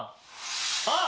あっ！